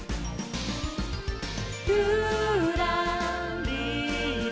「ぴゅらりら」